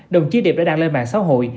đồng chí điệp đã đăng lên mạng xã hội